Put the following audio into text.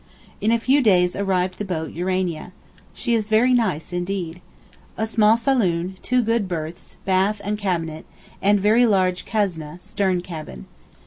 In a few days arrived the boat Urania. She is very nice indeed. A small saloon, two good berths—bath and cabinet, and very large kasneh (stern cabin).